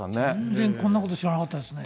全然こんなこと知らなかったですね。